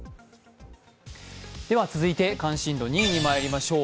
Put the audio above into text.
続いて関心度２位にまいりましょう。